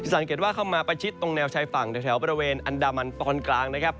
สังเกตว่าเข้ามาประชิดตรงแนวชายฝั่งแถวบริเวณอันดามันตอนกลางนะครับ